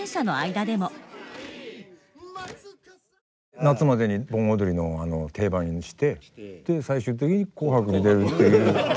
夏までに盆踊りの定番にしてで最終的に「紅白」に出るっていう。